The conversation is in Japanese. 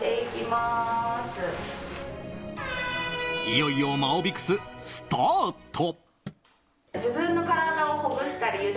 いよいよマオビクススタート！